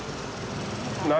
何？